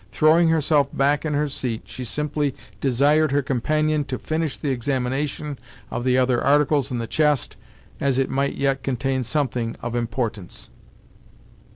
Throwing herself back in her seat, she simply desired her companion to finish the examination of the other articles in the chest, as it might yet contain something of importance.